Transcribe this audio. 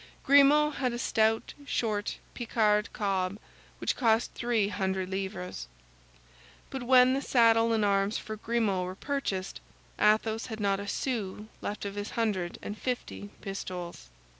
Grimaud had a stout, short Picard cob, which cost three hundred livres. But when the saddle and arms for Grimaud were purchased, Athos had not a sou left of his hundred and fifty pistoles.